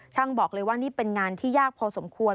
บอกเลยว่านี่เป็นงานที่ยากพอสมควร